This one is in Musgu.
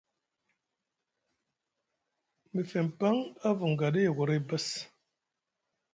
Mefeŋ paŋ a vunga ɗa a yogoray bass.